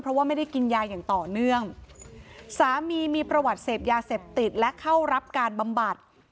เพราะว่าไม่ได้กินยาอย่างต่อเนื่องสามีมีประวัติเสพยาเสพติดและเข้ารับการบำบัด